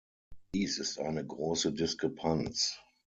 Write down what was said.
Dies ist eine große Diskrepanz.